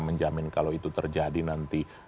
menjamin kalau itu terjadi nanti